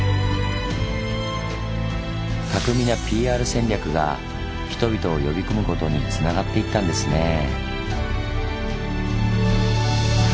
巧みなＰＲ戦略が人々を呼び込むことにつながっていったんですねぇ。